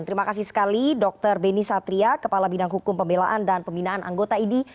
terima kasih sekali dr beni satria kepala bidang hukum pembelaan dan pembinaan anggota idi